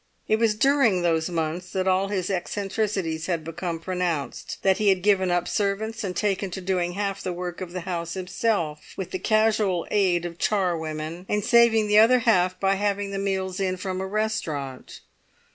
It was during those months that all his eccentricities had become pronounced; that he had given up servants, and taken to doing half the work of the house himself, with the casual aid of charwomen, and saving the other half by having the meals in from a restaurant.